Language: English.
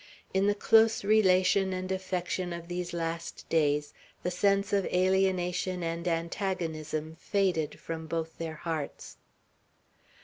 In the close relation and affection of these last days, the sense of alienation and antagonism faded from both their hearts.